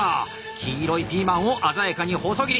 黄色いピーマンを鮮やかに細切り。